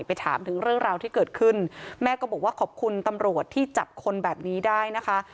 ถามถึงเรื่องราวที่เกิดขึ้นแม่ก็บอกว่าขอบคุณตำรวจที่จับคนแบบนี้ได้นะคะ